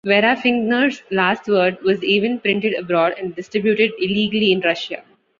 Vera Figner's last word was even printed abroad and distributed illegally in Russia.